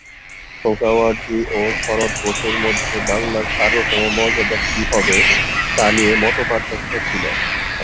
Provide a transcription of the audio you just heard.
সোহরাওয়ার্দী ও শরৎ বসুর মধ্যে বাংলার সার্বভৌম মর্যাদা কি হবে তা নিয়ে মতপার্থক্য ছিল।